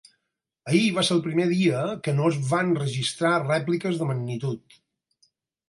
Ahir va ser el primer dia que no es van registrar rèpliques de magnitud.